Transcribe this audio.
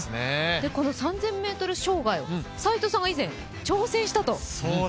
３０００ｍ障害、斎藤さんが以前挑戦したと？